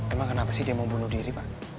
emang kenapa sih dia mau bunuh diri pak